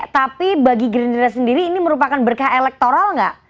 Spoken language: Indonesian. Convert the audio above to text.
tapi bagi gerindra sendiri ini merupakan berkah elektoral nggak